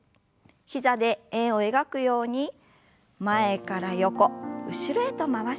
膝で円を描くように前から横後ろへと回しましょう。